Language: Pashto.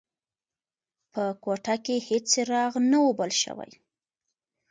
په کوټه کې هیڅ څراغ نه و بل شوی.